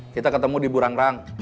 kita ketemu di burang rang